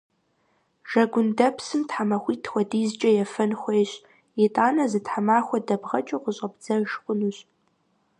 Жэгундэпсым тхьэмахуитӀ хуэдизкӀэ ефэн хуейщ. ИтӀанэ зы тхьэмахуэ дэбгъэкӀыу къыщӀэбдзэж хъунущ.